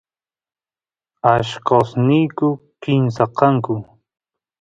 allqosniyku kimsa kanku